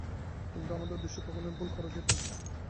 কিন্তু আমাদের উদ্দেশ্য কখনই ভুল করা উচিত নয়।